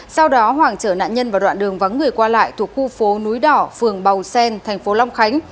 sau đó hoàng chở nạn nhân vào đoạn đường vắng người qua lại thuộc khu phố núi đỏ phường bầu sen thành phố long khánh